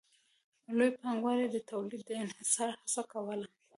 لوی پانګوال د تولید د انحصار هڅه کوله